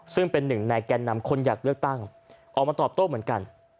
ซึ่งเป็นหนึ่งในแก่นำคนอยากเลือกตั้งออกมาตอบโต้เหมือนกัน